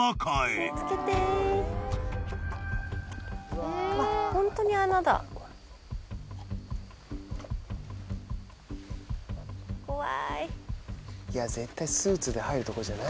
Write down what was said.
絶対スーツで入るとこじゃないよ。